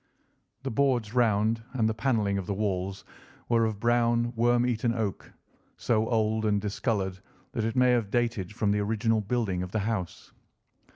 The boards round and the panelling of the walls were of brown, worm eaten oak, so old and discoloured that it may have dated from the original building of the house.